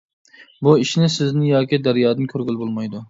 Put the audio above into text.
بۇ ئىشنى سىزدىن ياكى دەريادىن كۆرگىلى بولمايدۇ.